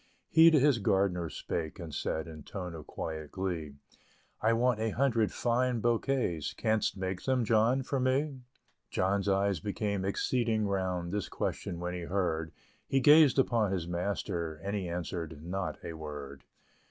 He to his gardener spake, and said In tone of quiet glee "I want a hundred fine bouquets Canst make them, John, for me?" John's eyes became exceeding round, This question when he heard; He gazed upon his master, And he answered not a word.